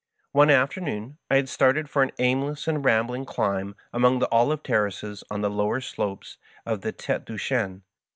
One afternoon I had started for an aimless and rambling climb among the olive terraces on the lower slopes of the Tfete du Chien.